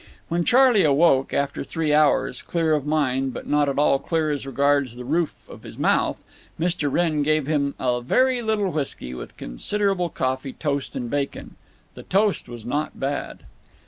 When Charley awoke, after three hours, clear of mind but not at all clear as regards the roof of his mouth, Mr. Wrenn gave him a very little whisky, with considerable coffee, toast, and bacon. The toast was not bad.